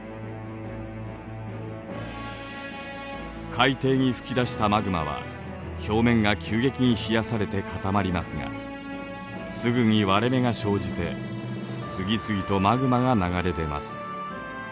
海底に噴き出したマグマは表面が急激に冷やされて固まりますがすぐに割れ目が生じて次々とマグマが流れ出ます。